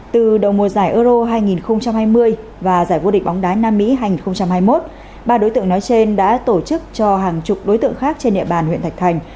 từ đầu mùa giải euro hai nghìn hai mươi và giải vô địch bóng đá nam mỹ hành hai mươi một ba đối tượng nói trên đã tổ chức cho hàng chục đối tượng khác trên địa bàn huyện thạch thành